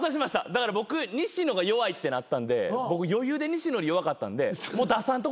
だから僕西野が弱いってなったんで僕余裕で西野より弱かったんでもう出さんとこう思て。